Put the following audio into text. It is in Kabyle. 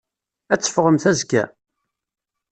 Ad teffɣemt azekka?